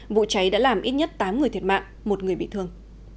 vụ cháy đã làm ít nhất tám người thiệt mạng một người bị thương